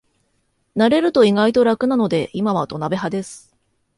慣れると意外と楽なので今は土鍋派です